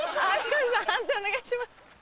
判定お願いします。